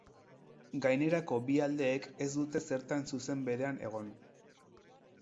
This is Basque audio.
Gainerako bi aldeek ez dute zertan zuzen berean egon.